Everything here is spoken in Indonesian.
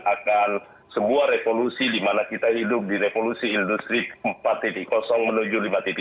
akan sebuah revolusi di mana kita hidup di revolusi industri empat menuju lima